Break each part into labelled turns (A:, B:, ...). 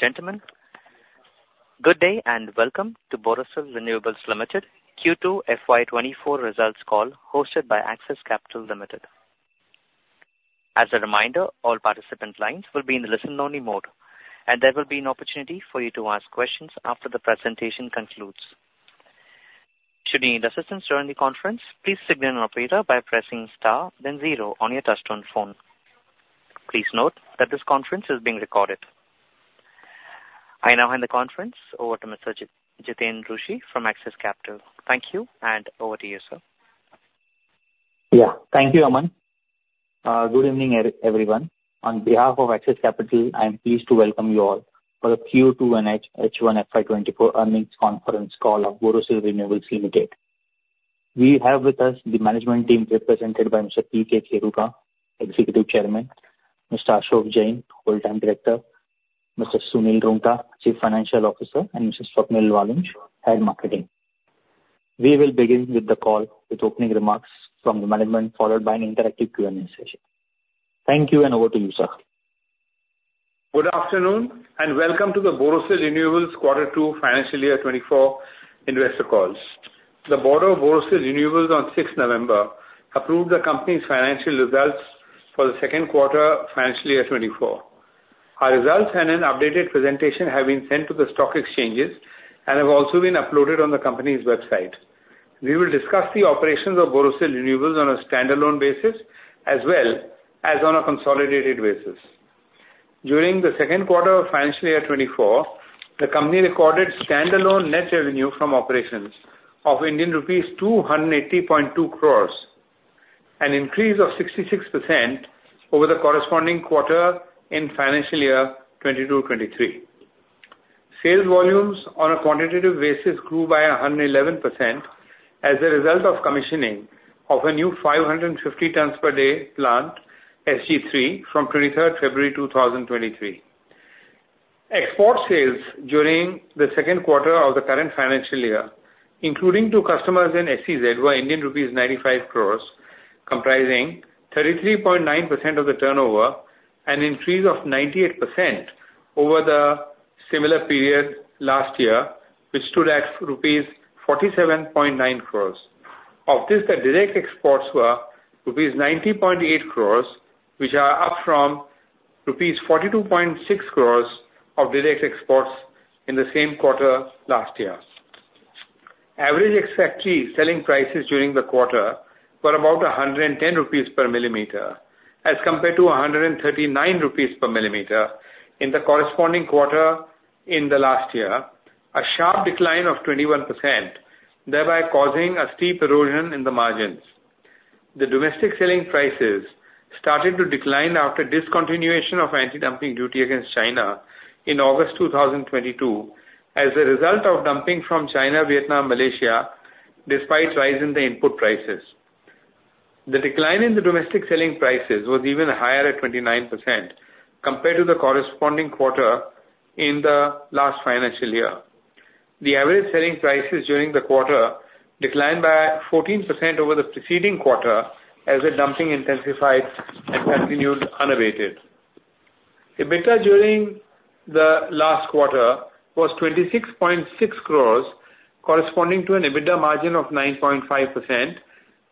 A: Gentlemen, good day, and welcome to Borosil Renewables Limited Q2 FY 2024 results call, hosted by Axis Capital Limited. As a reminder, all participant lines will be in the listen-only mode, and there will be an opportunity for you to ask questions after the presentation concludes. Should you need assistance during the conference, please signal an operator by pressing Star, then 0 on your touchtone phone. Please note that this conference is being recorded. I now hand the conference over to Mr. Jiten Rushi from Axis Capital. Thank you, and over to you, sir.
B: Yeah. Thank you, Aman. Good evening, everyone. On behalf of Axis Capital, I'm pleased to welcome you all for the Q2 and H1 FY 2024 Earnings Conference Call of Borosil Renewables Limited. We have with us the management team, represented by Mr. P. K. Kheruka, Executive Chairman; Mr. Ashok Jain, Full-Time Director; Mr. Sunil Roongta, Chief Financial Officer; and Mr. Swapnil Walunj, Head of Marketing. We will begin with the call with opening remarks from the management, followed by an interactive Q&A session. Thank you, and over to you, sir.
C: Good afternoon, and welcome to the Borosil Renewables Q2 Financial Year 2024 Investor Call. The Board of Borosil Renewables on 6 November approved the company's financial results for the Q2, Financial Year 2024. Our results and an updated presentation have been sent to the stock exchanges and have also been uploaded on the company's website. We will discuss the operations of Borosil Renewables on a standalone basis, as well as on a consolidated basis. During the Q2 of Financial Year 2024, the company recorded standalone net revenue from operations of Indian rupees 280.2 crore, an increase of 66% over the corresponding quarter in financial year 2022-2023. Sales volumes on a quantitative basis grew by 111% as a result of commissioning of a new 550 tons per day plant, SG3, from 23rd February 2023. Export sales during the Q2 of the current financial year, including to customers in SEZ, were Indian rupees 95 crores, comprising 33.9% of the turnover, an increase of 98% over the similar period last year, which stood at rupees 47.9 crores. Of this, the direct exports were rupees 90.8 crores, which are up from rupees 42.6 crores of direct exports in the same quarter last year. Average ex-factory selling prices during the quarter were about 110 rupees per millimeter, as compared to 139 rupees per millimeter in the corresponding quarter in the last year, a sharp decline of 21%, thereby causing a steep erosion in the margins. The domestic selling prices started to decline after discontinuation of anti-dumping duty against China in August 2022, as a result of dumping from China, Vietnam, Malaysia, despite rise in the input prices. The decline in the domestic selling prices was even higher at 29% compared to the corresponding quarter in the last financial year. The average selling prices during the quarter declined by 14% over the preceding quarter, as the dumping intensified and continued unabated. EBITDA during the last quarter was 26.6 crores, corresponding to an EBITDA margin of 9.5%,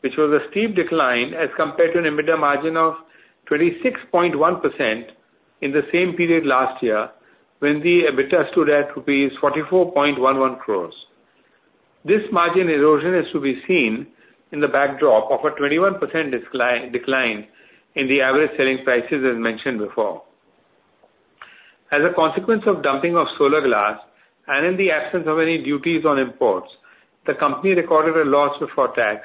C: which was a steep decline as compared to an EBITDA margin of 26.1% in the same period last year, when the EBITDA stood at rupees 44.11 crores. This margin erosion is to be seen in the backdrop of a 21% decline in the average selling prices, as mentioned before. As a consequence of dumping of solar glass and in the absence of any duties on imports, the company recorded a loss before tax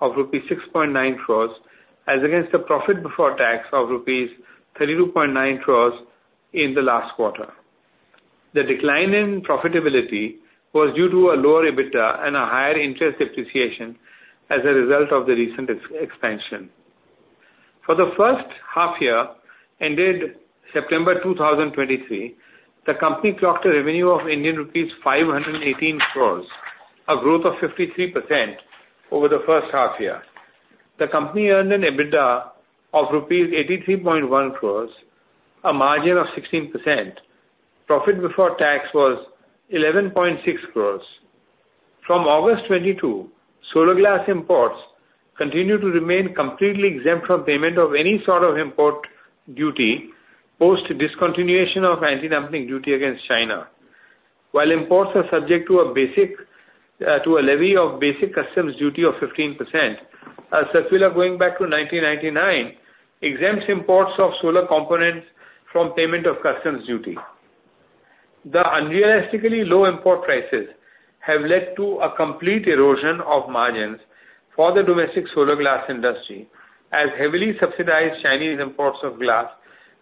C: of rupees 6.9 crores, as against the profit before tax of rupees 32.9 crores in the last quarter. The decline in profitability was due to a lower EBITDA and a higher interest depreciation as a result of the recent expansion. For the first half year, ended September 2023, the company clocked a revenue of Indian rupees 518 crores, a growth of 53% over the first half year. The company earned an EBITDA of rupees 83.1 crores, a margin of 16%. Profit before tax was 11.6 crores. From August 2022, solar glass imports continued to remain completely exempt from payment of any sort of import duty, post discontinuation of anti-dumping duty against China. While imports are subject to a basic, to a levy of basic customs duty of 15%, a circular going back to 1999 exempts imports of solar components from payment of customs duty. The unrealistically low import prices have led to a complete erosion of margins for the domestic solar glass industry, as heavily subsidized Chinese imports of glass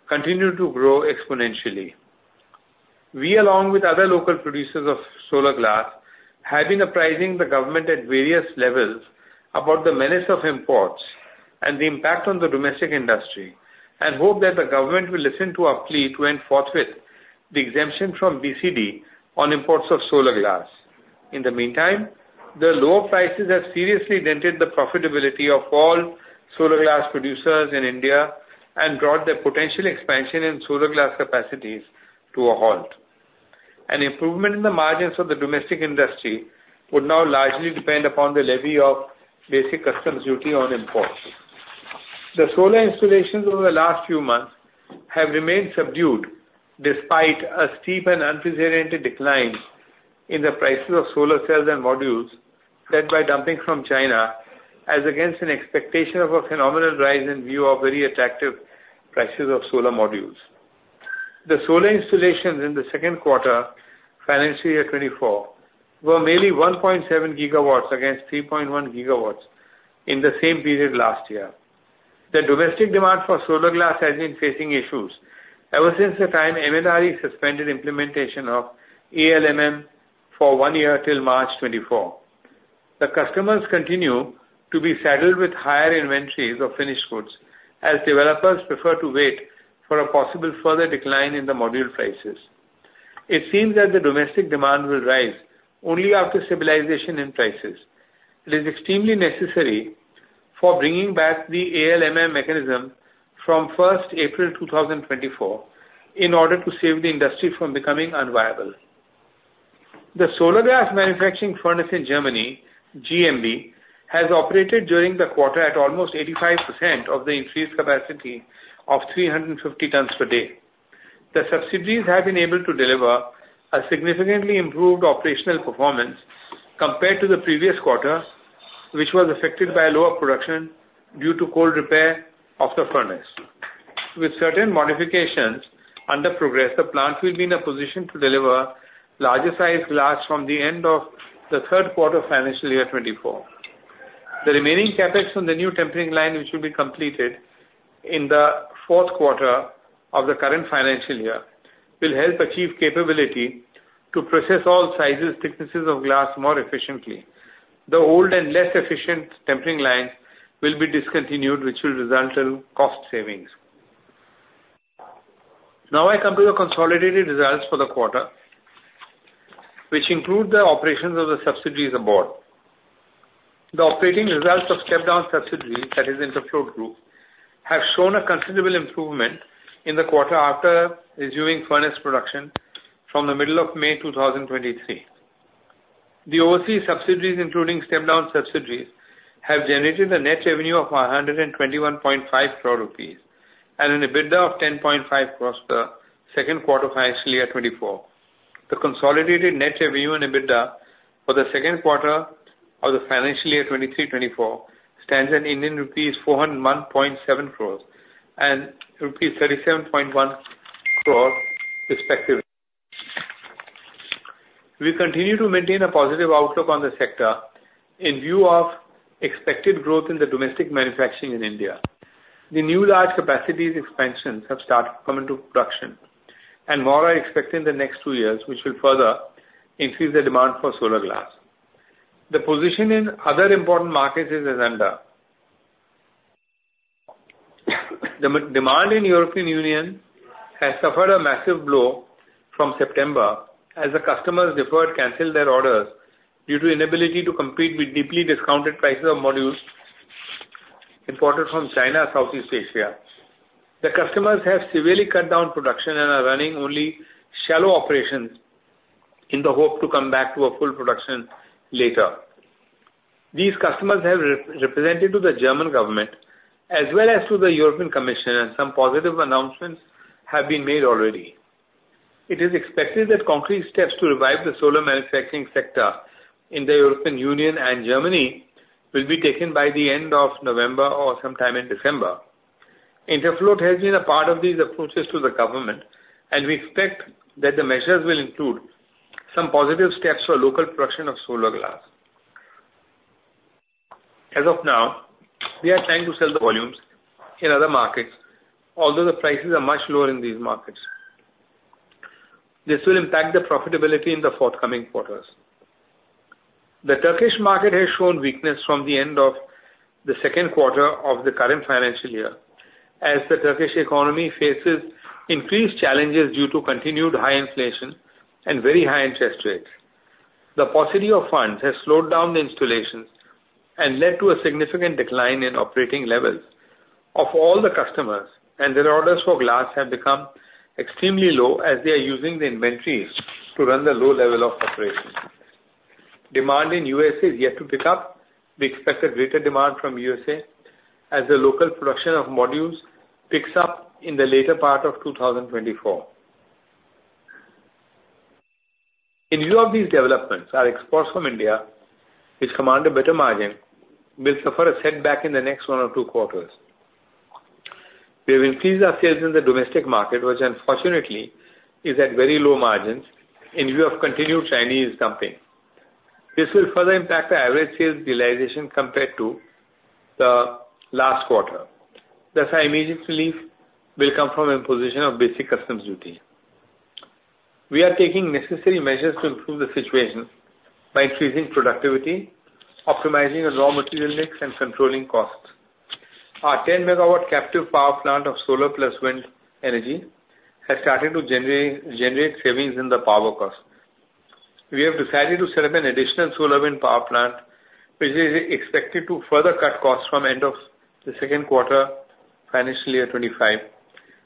C: continue to grow exponentially. We, along with other local producers of solar glass, have been apprising the government at various levels about the menace of imports and the impact on the domestic industry, and hope that the government will listen to our plea to enforce with the exemption from BCD on imports of solar glass. In the meantime, the lower prices have seriously dented the profitability of all solar glass producers in India, and brought their potential expansion in solar glass capacities to a halt. An improvement in the margins of the domestic industry would now largely depend upon the levy of basic customs duty on imports. The solar installations over the last few months have remained subdued, despite a steep and unprecedented decline in the prices of solar cells and modules led by dumping from China, as against an expectation of a phenomenal rise in view of very attractive prices of solar modules. The solar installations in the Q2, financial year 2024, were merely 1.7 GW against 3.1 GW in the same period last year. The domestic demand for solar glass has been facing issues ever since the time MNRE suspended implementation of ALMM for one year till March 2024. The customers continue to be saddled with higher inventories of finished goods, as developers prefer to wait for a possible further decline in the module prices. It seems that the domestic demand will rise only after stabilization in prices. It is extremely necessary for bringing back the ALMM mechanism from first April 2024, in order to save the industry from becoming unviable. The solar glass manufacturing furnace in Germany, GMB, has operated during the quarter at almost 85% of the increased capacity of 350 tons per day. The subsidiaries have been able to deliver a significantly improved operational performance compared to the previous quarter, which was affected by a lower production due to cold repair of the furnace. With certain modifications under progress, the plant will be in a position to deliver larger size glass from the end of the Q3 of financial year 2024. The remaining CapEx on the new tempering line, which will be completed in the Q4 of the current financial year, will help achieve capability to process all sizes, thicknesses of glass more efficiently. The old and less efficient tempering lines will be discontinued, which will result in cost savings. Now, I come to the consolidated results for the quarter, which include the operations of the subsidiaries abroad. The operating results of step-down subsidiaries, that is Interfloat Group, have shown a considerable improvement in the quarter after resuming furnace production from the middle of May 2023. The overseas subsidiaries, including step-down subsidiaries, have generated a net revenue of 121.5 crore rupees and an EBITDA of 10.5 crore across the Q2 of financial year 2024. The consolidated net revenue and EBITDA for the Q2 of the financial year 2023-24 stands at Indian rupees 401.7 crore and rupees 37.1 crore respectively. We continue to maintain a positive outlook on the sector in view of expected growth in the domestic manufacturing in India. The new large capacities expansions have started coming to production, and more are expected in the next two years, which will further increase the demand for solar glass. The position in other important markets is as under. The demand in European Union has suffered a massive blow from September, as the customers deferred, canceled their orders due to inability to compete with deeply discounted prices of modules imported from China or Southeast Asia. The customers have severely cut down production and are running only shallow operations in the hope to come back to a full production later. These customers have re-represented to the German government as well as to the European Commission, and some positive announcements have been made already. It is expected that concrete steps to revive the solar manufacturing sector in the European Union and Germany will be taken by the end of November or sometime in December. Interfloat has been a part of these approaches to the government, and we expect that the measures will include some positive steps for local production of solar glass. As of now, we are trying to sell the volumes in other markets, although the prices are much lower in these markets. This will impact the profitability in the forthcoming quarters. The Turkish market has shown weakness from the end of the Q2 of the current financial year, as the Turkish economy faces increased challenges due to continued high inflation and very high interest rates. The paucity of funds has slowed down the installations and led to a significant decline in operating levels of all the customers, and their orders for glass have become extremely low, as they are using the inventories to run the low level of operations. Demand in USA is yet to pick up. We expect a greater demand from USA, as the local production of modules picks up in the later part of 2024. In view of these developments, our exports from India, which command a better margin, will suffer a setback in the next 1 or 2 quarters. We have increased our sales in the domestic market, which unfortunately is at very low margins in view of continued Chinese dumping. This will further impact the average sales realization compared to the last quarter, thus our immediate relief will come from imposition of Basic Customs Duty. We are taking necessary measures to improve the situation by increasing productivity, optimizing the raw material mix, and controlling costs. Our 10 MW captive power plant of solar plus wind energy has started to generate savings in the power cost. We have decided to set up an additional solar wind power plant, which is expected to further cut costs from end of the Q2, financial year 2025,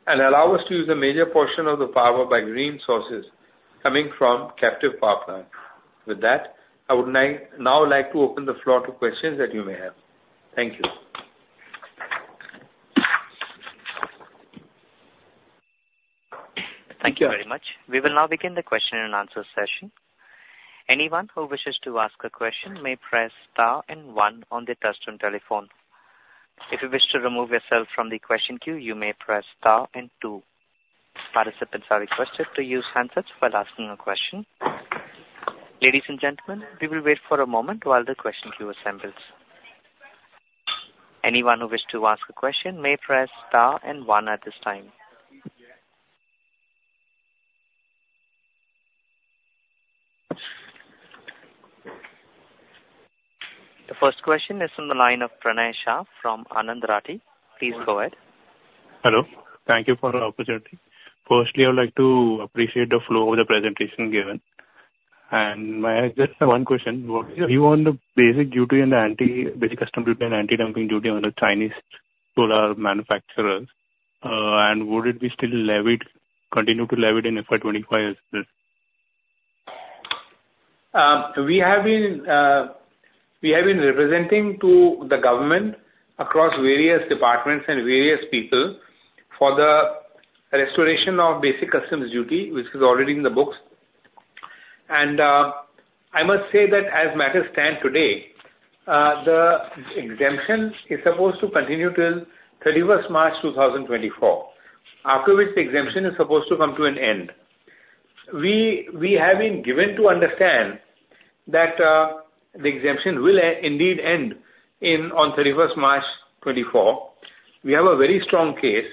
C: and allow us to use a major portion of the power by green sources coming from captive power plant. With that, I would like to open the floor to questions that you may have. Thank you.
A: Thank you very much. We will now begin the question-and answer session. Anyone who wishes to ask a question may press Star and 1 on their touch-tone telephone. If you wish to remove yourself from the question queue, you may press Star and 2. Participants are requested to use handsets while asking a question. Ladies and gentlemen, we will wait for a moment while the question queue assembles. Anyone who wishes to ask a question may press Star and 1 at this time. The first question is on the line of Pranay Shah from Anand Rathi. Please go ahead.
D: Hello. Thank you for the opportunity. Firstly, I would like to appreciate the flow of the presentation given. May I just have one question? What view on the basic duty and the anti-basic customs duty and anti-dumping duty on the Chinese solar manufacturers, and would it be still levied, continue to levied in FY 2025 as well?
C: We have been representing to the government across various departments and various people for the restoration of basic customs duty, which is already in the books. And, I must say that as matters stand today, the exemption is supposed to continue till 31st March 2024, after which the exemption is supposed to come to an end. We have been given to understand that the exemption will indeed end on 31 March 2024. We have a very strong case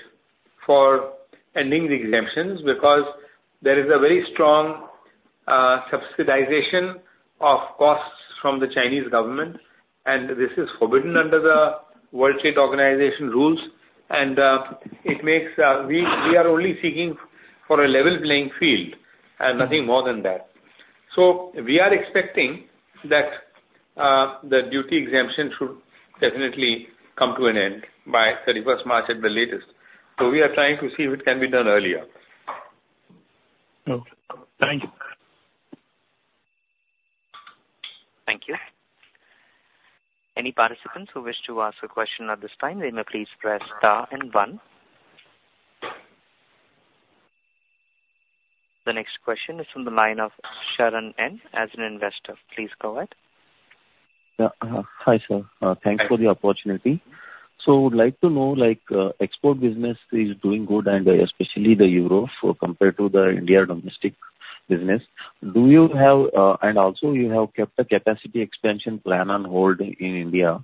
C: for ending the exemptions, because there is a very strong subsidization of costs from the Chinese government, and this is forbidden under the World Trade Organization rules. And, it makes we are only seeking for a level playing field and nothing more than that. So we are expecting that the duty exemption should definitely come to an end by 31st March at the latest. So we are trying to see if it can be done earlier.
D: Okay, thank you.
A: Thank you. Any participants who wish to ask a question at this time, they may please press Star and 1. The next question is from the line of Sharan as an Investor. Please go ahead.
E: Yeah. Hi, sir. Thanks for the opportunity. I would like to know, like, export business is doing good and especially the Europe compared to the India domestic business. Do you have, and also you have kept the capacity expansion plan on hold in India.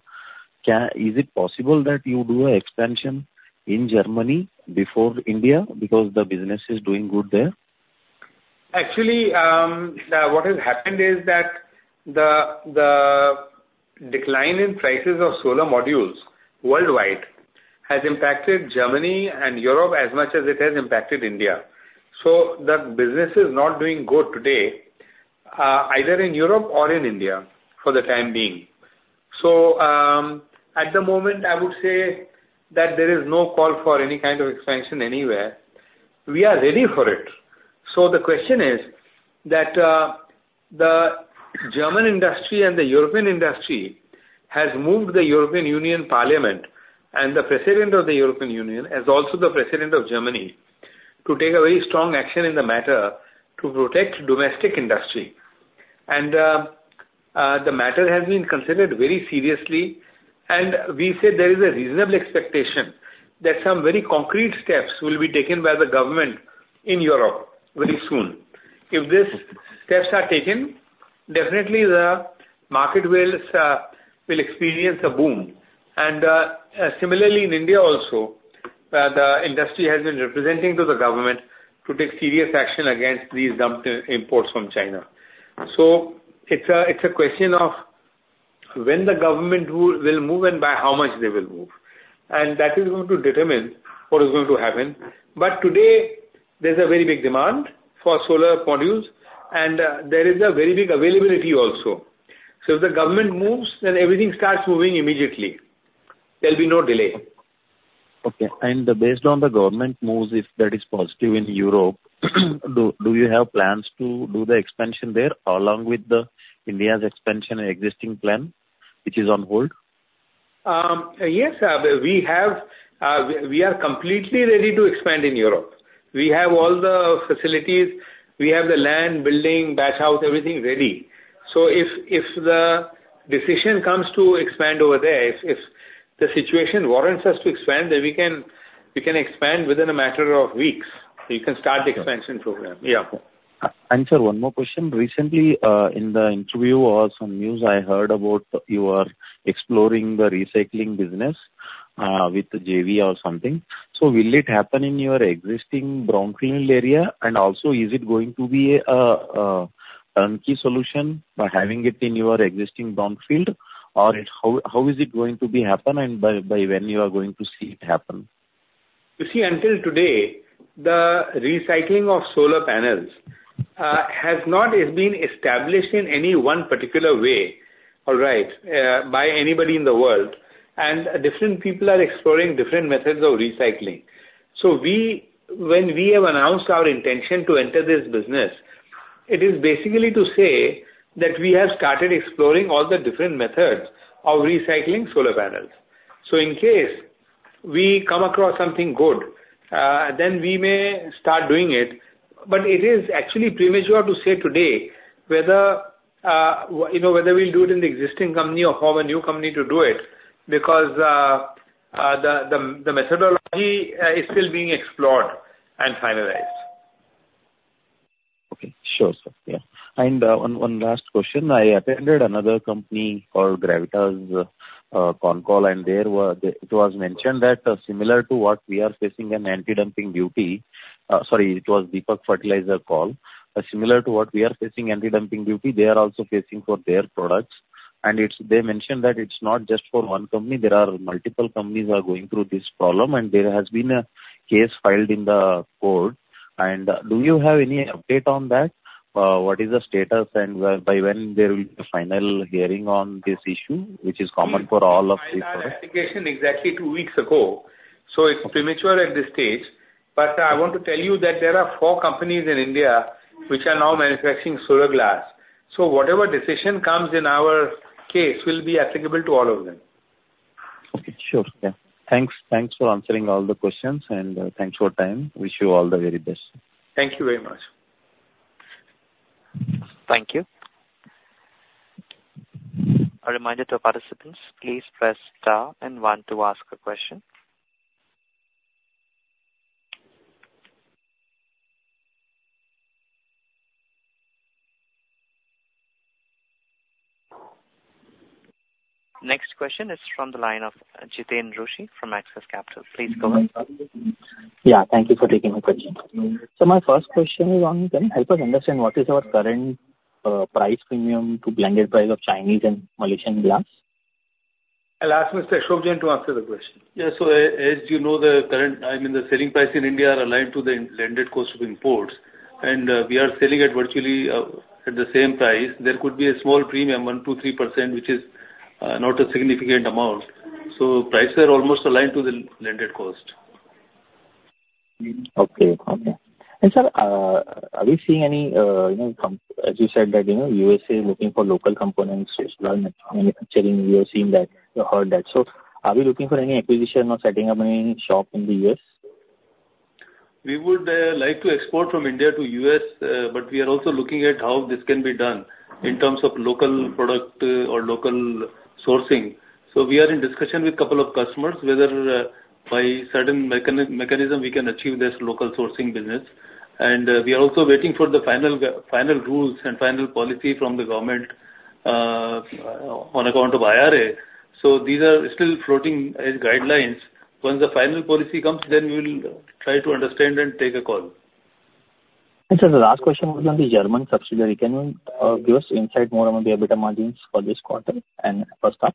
E: Is it possible that you do an expansion in Germany before India because the business is doing good there?
C: Actually, what has happened is that the decline in prices of solar modules worldwide has impacted Germany and Europe as much as it has impacted India. So the business is not doing good today, either in Europe or in India for the time being. So, at the moment, I would say that there is no call for any kind of expansion anywhere. We are ready for it. So the question is that the German industry and the European industry has moved the European Union Parliament, and the President of the European Union, as also the President of Germany, to take a very strong action in the matter to protect domestic industry. And the matter has been considered very seriously, and we say there is a reasonable expectation that some very concrete steps will be taken by the government in Europe very soon. If these steps are taken, definitely the market will experience a boom. And similarly, in India also, the industry has been representing to the government to take serious action against these dumped imports from China. So it's a question of when the government will move and by how much they will move, and that is going to determine what is going to happen. But today, there's a very big demand for solar modules, and there is a very big availability also. So if the government moves, then everything starts moving immediately. There'll be no delay.
E: Okay. And based on the government moves, if that is positive in Europe, do you have plans to do the expansion there, along with the India's expansion existing plan, which is on hold?
C: Yes, we are completely ready to expand in Europe. We have all the facilities, we have the land, building, batch house, everything ready. So if the decision comes to expand over there, if the situation warrants us to expand, then we can expand within a matter of weeks. We can start the expansion program. Yeah.
E: Sir, one more question: Recently, in the interview or some news I heard about you are exploring the recycling business, with JV or something. So will it happen in your existing brownfield area? And also, is it going to be a turnkey solution by having it in your existing brownfield, or how is it going to be happen, and by when you are going to see it happen?
C: You see, until today, the recycling of solar panels has not been established in any one particular way, all right, by anybody in the world, and different people are exploring different methods of recycling. So when we have announced our intention to enter this business, it is basically to say that we have started exploring all the different methods of recycling solar panels. So in case we come across something good, then we may start doing it, but it is actually premature to say today whether, you know, whether we'll do it in the existing company or form a new company to do it, because the methodology is still being explored and finalized.
E: Okay. Sure, sir. Yeah. One last question: I attended another company called Gravita con call, and it was mentioned that similar to what we are facing an anti-dumping duty, sorry, it was Deepak Fertilisers call. Similar to what we are facing anti-dumping duty, they are also facing for their products, and they mentioned that it's not just for one company, there are multiple companies going through this problem, and there has been a case filed in the court. Do you have any update on that? What is the status and by when there will be a final hearing on this issue, which is common for all of you?
C: I filed application exactly two weeks ago, so it's premature at this stage. But I want to tell you that there are four companies in India which are now manufacturing solar glass. So whatever decision comes in our case will be applicable to all of them.
E: Okay. Sure, yeah. Thanks, thanks for answering all the questions, and thanks for your time. Wish you all the very best.
C: Thank you very much.
A: Thank you. A reminder to our participants, please press Star and 1 to ask a question. Next question is from the line of Jiten Rushi from Axis Capital. Please go ahead.
B: Yeah, thank you for taking my question. So my first question is, one, can you help us understand what is our current price premium to blended price of Chinese and Malaysian glass?
C: I'll ask Mr. Ashok Jain to answer the question.
F: Yeah, so as you know, the current, I mean, the selling price in India are aligned to the landed cost of imports, and we are selling at virtually at the same price. There could be a small premium, 1, 2, 3%, which is not a significant amount, so prices are almost aligned to the landed cost.
B: Okay. Okay. And sir, are we seeing any, you know, as you said, that, you know, USA is looking for local components manufacturing? We are seeing that. We heard that. So are we looking for any acquisition or setting up any shop in the U.S.?
F: We would like to export from India to U.S., but we are also looking at how this can be done in terms of local product or local sourcing. So we are in discussion with a couple of customers whether by certain mechanism we can achieve this local sourcing business. And we are also waiting for the final rules and final policy from the government on account of IRA. So these are still floating as guidelines. Once the final policy comes, then we will try to understand and take a call.
B: Sir, the last question was on the German subsidiary. Can you give us insight more about the EBITDA margins for this quarter and first half?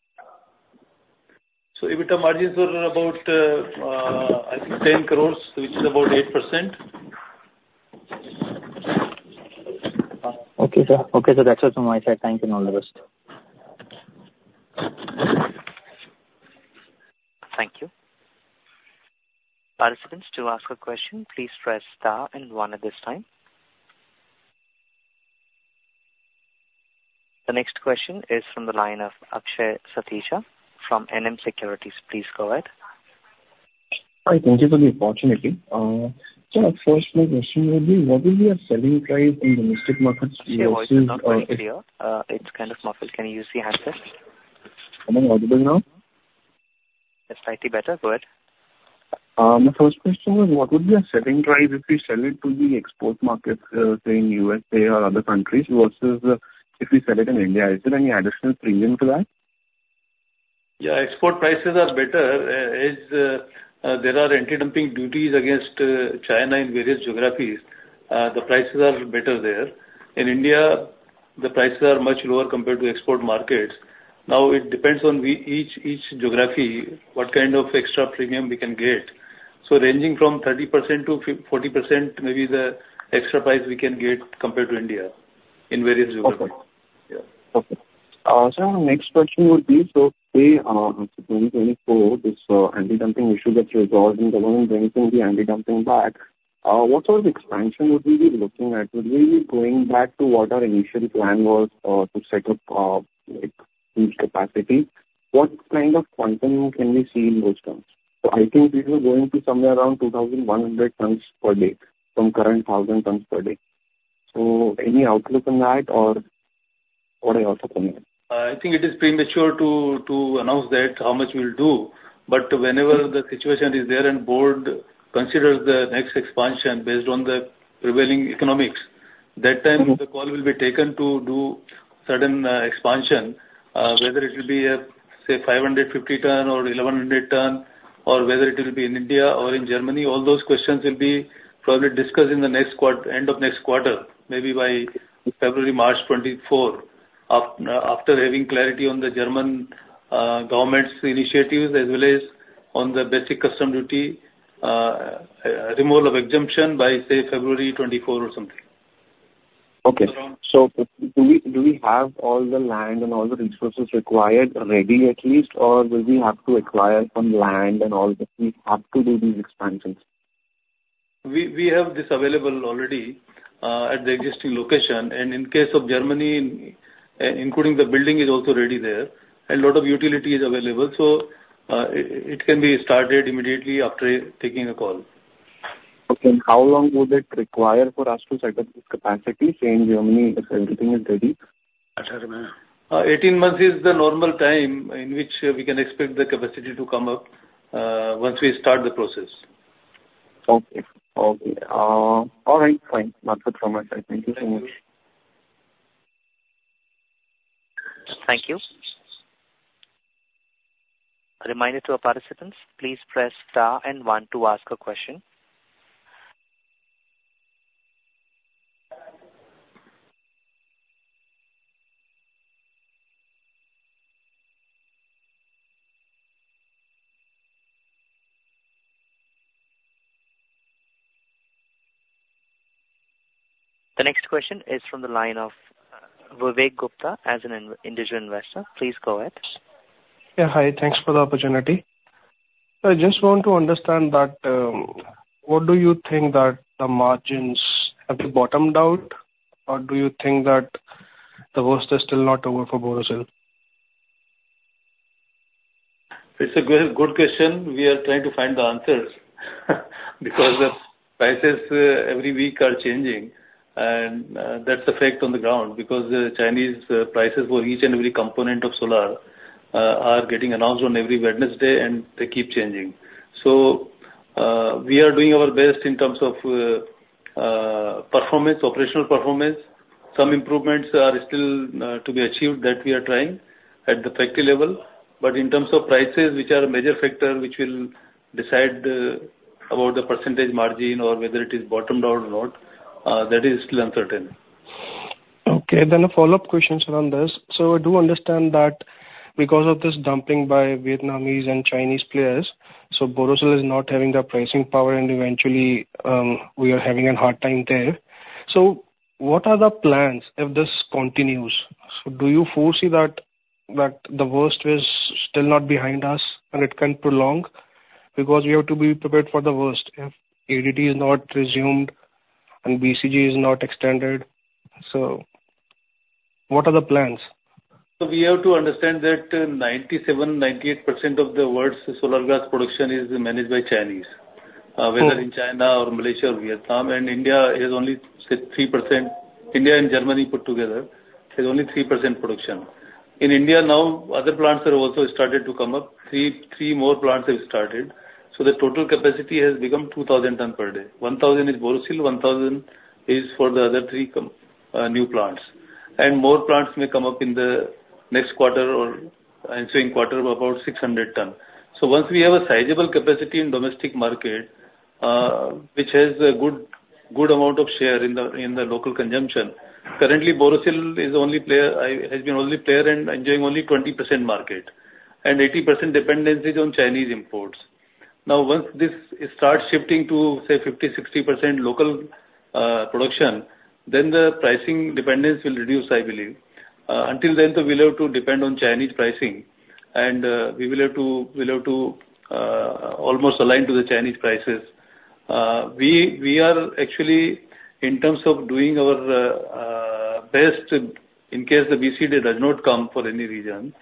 F: EBITDA margins were about, I think, 10 crore, which is about 8%.
B: Okay, sir. Okay, sir, that's all from my side. Thank you, and all the best.
A: Thank you. Participants, to ask a question, please press Star and 1 at this time. The next question is from the line of Akshay Satish from Nuvama Securities. Please go ahead.
G: Hi, thank you for the opportunity. So my first question would be, what will be your selling price in domestic markets?
A: Your voice is not very clear. It's kind of muffled. Can you see myself?
G: Am I audible now?
A: It's slightly better. Go ahead.
G: My first question was, what would be our selling price if we sell it to the export markets, say, in USA or other countries versus if we sell it in India? Is there any additional premium for that?
F: Yeah, export prices are better, as there are anti-dumping duties against China in various geographies. The prices are better there. In India, the prices are much lower compared to export markets. Now, it depends on each geography, what kind of extra premium we can get. So ranging from 30%-40% maybe the extra price we can get compared to India in various geographies.
G: Okay.
F: Yeah.
G: Okay. So my next question would be, so say, in 2024, this anti-dumping issue gets resolved and the government brings in the anti-dumping back, what sort of expansion would we be looking at? Would we be going back to what our initial plan was, to set up, like, huge capacity? What kind of quantum can we see in those terms? So I think we were going to somewhere around 2,100 tons per day from current 1,000 tons per day. So any outlook on that or what are your thoughts on that?
F: I think it is premature to announce that, how much we'll do, but whenever the situation is there and board considers the next expansion based on the prevailing economics, that time the call will be taken to do certain expansion, whether it will be a, say, 550 ton or 1,100 ton, or whether it will be in India or in Germany, all those questions will be probably discussed in the end of next quarter, maybe by February, March 2024, after having clarity on the German government's initiatives, as well as on the basic customs duty, removal of exemption by, say, February 2024 or something.
G: Okay. So do we, do we have all the land and all the resources required ready at least, or will we have to acquire some land and all that we have to do these expansions?
F: We, we have this available already at the existing location, and in case of Germany, including the building is also ready there, and lot of utility is available. So, it can be started immediately after taking a call.
G: Okay, how long would it require for us to set up this capacity, say, in Germany, if everything is ready?
F: 18 months is the normal time in which we can expect the capacity to come up, once we start the process.
G: Okay. Okay. All right, fine. Not a problem with that. Thank you so much.
A: Thank you. A reminder to our participants, please press Star and 1 to ask a question. The next question is from the line of Vivek Gupta, as an individual investor. Please go ahead.
H: Yeah, hi. Thanks for the opportunity. I just want to understand that, what do you think that the margins, have they bottomed out? Or do you think that the worst is still not over for Borosil?
F: It's a good, good question. We are trying to find the answers. Because the prices every week are changing, and that's the fact on the ground, because the Chinese prices for each and every component of solar are getting announced on every Wednesday, and they keep changing. So, we are doing our best in terms of performance, operational performance. Some improvements are still to be achieved that we are trying at the factory level. But in terms of prices, which are a major factor, which will decide about the percentage margin or whether it is bottomed out or not, that is still uncertain.
H: Okay, then a follow-up question around this. So I do understand that because of this dumping by Vietnamese and Chinese players, so Borosil is not having the pricing power, and eventually, we are having a hard time there. So what are the plans if this continues? So do you foresee that the worst is still not behind us and it can prolong? Because we have to be prepared for the worst if ADD is not resumed and BCD is not extended. So what are the plans?
F: We have to understand that 97%-98% of the world's solar glass production is managed by Chinese.
H: Sure.
F: Whether in China or Malaysia or Vietnam, and India is only, say, 3%. India and Germany put together is only 3% production. In India now, other plants are also started to come up. Three more plants have started, so the total capacity has become 2,000 tons per day. 1,000 is Borosil, 1,000 is for the other three new plants. And more plants may come up in the next quarter or I'm saying quarter of about 600 tons. So once we have a sizable capacity in domestic market, which has a good, good amount of share in the local consumption, currently, Borosil is the only player, has been only player and enjoying only 20% market, and 80% dependence is on Chinese imports. Now, once this starts shifting to, say, 50%-60% local production, then the pricing dependence will reduce, I believe. Until then, though, we'll have to depend on Chinese pricing, and we will have to almost align to the Chinese prices. We are actually, in terms of doing our best in case the BCD does not come for any reason,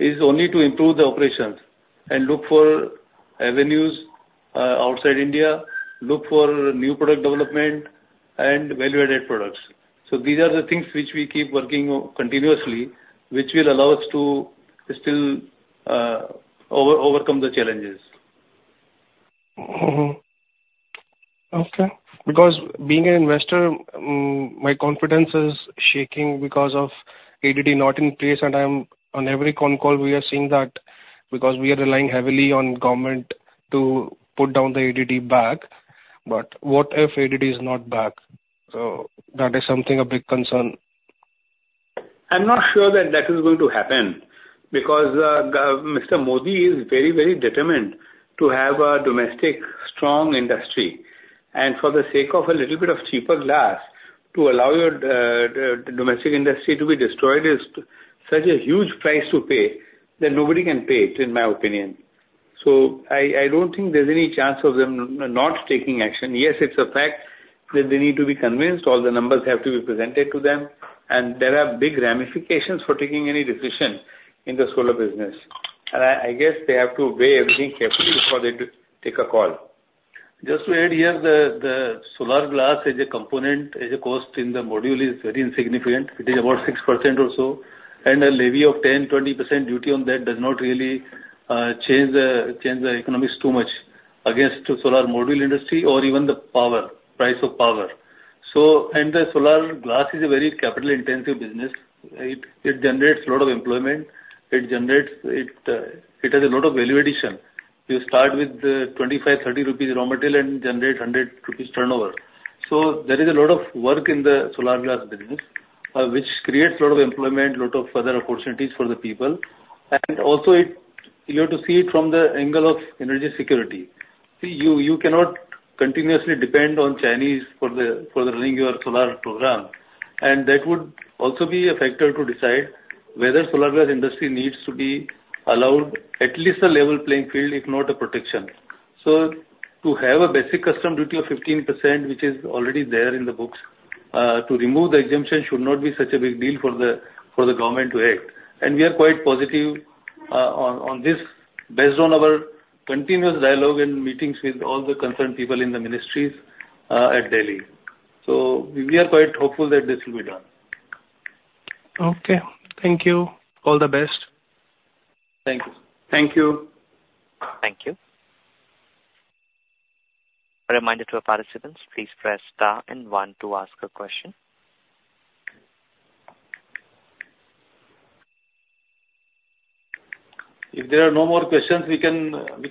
F: only to improve the operations and look for avenues outside India, look for new product development and value-added products. So these are the things which we keep working on continuously, which will allow us to still overcome the challenges.
H: Mm-hmm. Okay. Because being an investor, my confidence is shaking because of ADD not in place, and I'm... On every con call, we are seeing that because we are relying heavily on government to put down the ADD back. But what if ADD is not back? So that is something a big concern.
C: I'm not sure that that is going to happen, because Mr. Modi is very, very determined to have a domestic strong industry. And for the sake of a little bit of cheaper glass, to allow your domestic industry to be destroyed is such a huge price to pay, that nobody can pay it, in my opinion. So I don't think there's any chance of them not taking action. Yes, it's a fact that they need to be convinced, all the numbers have to be presented to them, and there are big ramifications for taking any decision in the solar business. And I guess they have to weigh everything carefully before they do take a call.
F: Just to add here, the solar glass as a component, as a cost in the module is very insignificant. It is about 6% or so, and a levy of 10%-20% duty on that does not really change the economics too much against solar module industry or even the power price of power. So the solar glass is a very capital intensive business, right? It generates a lot of employment. It generates, it has a lot of value addition. You start with 25-30 rupees raw material and generate 100 rupees turnover. So there is a lot of work in the solar glass business, which creates a lot of employment, a lot of further opportunities for the people. And also it, you have to see it from the angle of energy security. See, you cannot continuously depend on Chinese for the running your solar program. And that would also be a factor to decide whether solar glass industry needs to be allowed at least a level playing field, if not a protection. So to have a basic customs duty of 15%, which is already there in the books, to remove the exemption should not be such a big deal for the government to act. And we are quite positive on this, based on our continuous dialogue and meetings with all the concerned people in the ministries at Delhi. So we are quite hopeful that this will be done.
H: Okay, thank you. All the best.
F: Thank you.
C: Thank you.
A: Thank you. A reminder to our participants, please press Star and 1 to ask a question.
F: If there are no more questions, we can close the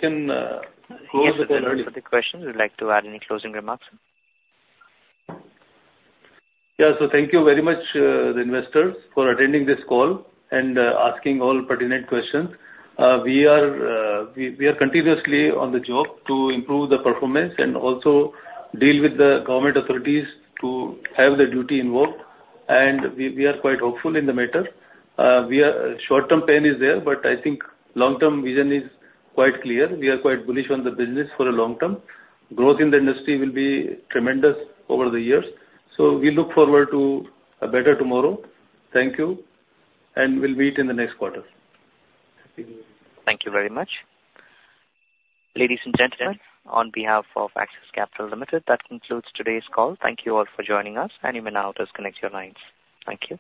F: call.
A: Yes, there are no further questions. Would you like to add any closing remarks?
F: Yeah. So thank you very much, the investors, for attending this call and asking all pertinent questions. We are continuously on the job to improve the performance and also deal with the government authorities to have the duty invoked, and we are quite hopeful in the matter. We are short-term pain is there, but I think long-term vision is quite clear. We are quite bullish on the business for the long term. Growth in the industry will be tremendous over the years, so we look forward to a better tomorrow. Thank you, and we'll meet in the next quarter.
A: Thank you very much. Ladies and gentlemen, on behalf of Axis Capital Limited, that concludes today's call. Thank you all for joining us, and you may now disconnect your lines. Thank you.